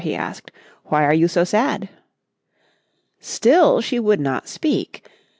he asked. "Why are you so sad?" Still she would not speak.